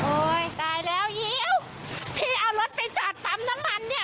ตายแล้วยิวพี่เอารถไปจอดปั๊มน้ำมันเนี่ย